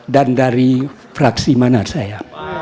dan dari fraksi mana saya